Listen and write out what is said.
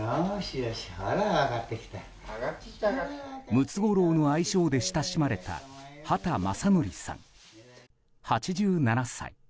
ムツゴロウの愛称で親しまれた畑正憲さん、８７歳。